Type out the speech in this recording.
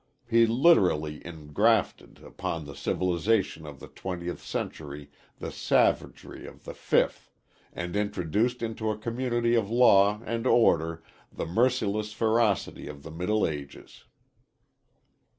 _He literally ingrafted upon the civilization of the twentieth century the savagery of the fifth, and introduced into a community of law and order the merciless ferocity of the middle ages.